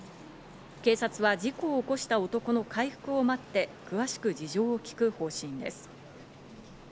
警察は事故を起こした男の回復を待って、詳しく事情を聞く方針です。